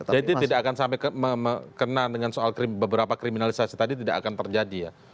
jadi itu tidak akan sampai kena dengan soal beberapa kriminalisasi tadi tidak akan terjadi ya